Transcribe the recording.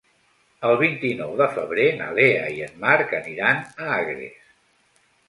El vint-i-nou de febrer na Lea i en Marc aniran a Agres.